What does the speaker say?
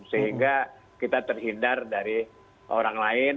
sehingga kita terhindar dari orang lain